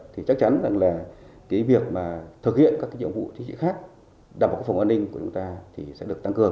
thì chắc chắn là cái việc mà thực hiện các nhiệm vụ khác đảm bảo phòng an ninh của chúng ta thì sẽ được tăng cường